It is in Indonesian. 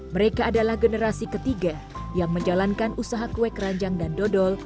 mereka adalah generasi ketiga yang menjalankan usaha kue keranjang dan dodol